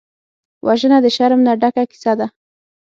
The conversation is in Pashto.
وژنه د شرم نه ډکه کیسه ده